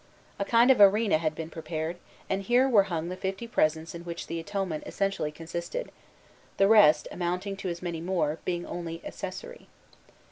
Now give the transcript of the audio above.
A kind of arena had been prepared, and here were hung the fifty presents in which the atonement essentially consisted, the rest, amounting to as many more, being only accessory.